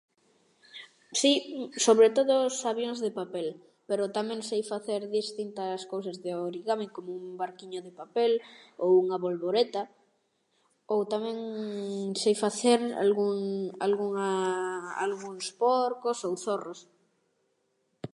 Si, sobre todo os avións de papel, pero tamén sei facer distintas cousas de origami, como un barquiño de papel ou unha bolboreta ou tamén sei facer algún, algunha, algúns porcos ou zorros.